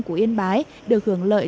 của yên bái được hưởng lợi